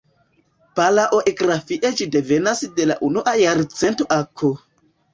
Palaoegrafie ĝi devenas de la unua jarcento a.K.